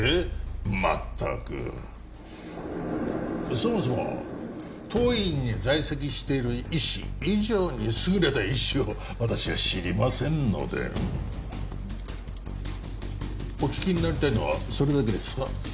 まったくそもそも当院に在籍している医師以上に優れた医師を私は知りませんのでお聞きになりたいのはそれだけですか？